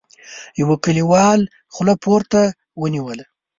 يوه کليوال خوله پورته ونيوله: